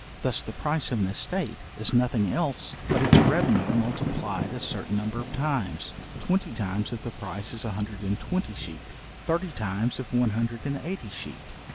Thus the price of an estate is nothing else but its revenue multiplied a certain number of times; twenty times if the price is a hundred and twenty sheep; thirty times if one hundred and eighty sheep.